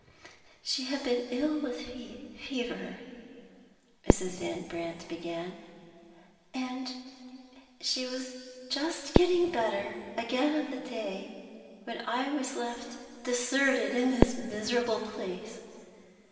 "She had been ill with fever," Mrs. Van Brandt began; "and she was just getting better again on the day when I was left deserted in this miserable place.